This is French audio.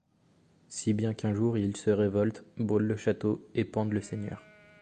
Si bien qu'un jour ils se révoltent, brûlent le château, et pendent le seigneur.